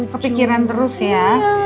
kepikiran terus ya